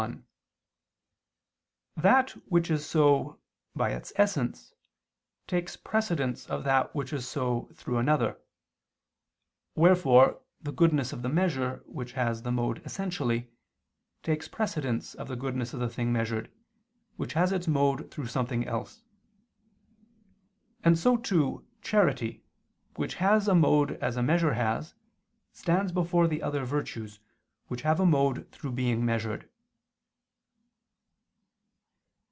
1: That which is so by its essence takes precedence of that which is so through another, wherefore the goodness of the measure which has the mode essentially, takes precedence of the goodness of the thing measured, which has its mode through something else; and so too, charity, which has a mode as a measure has, stands before the other virtues, which have a mode through being measured.